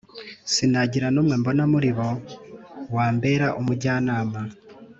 sinagira n’umwe mbona muri bo, wambera umujyanama!